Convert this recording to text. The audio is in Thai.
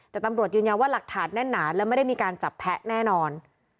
แต่ตำรวจยืนยันว่าหลักฐานแน่นหนาและไม่ได้มีการจับแพ้แน่นอน